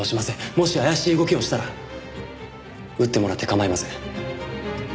もし怪しい動きをしたら撃ってもらって構いません。